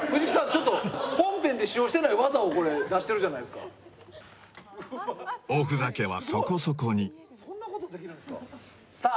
ちょっと本編で使用してない技をこれ出してるじゃないですかおふざけはそこそこにさあ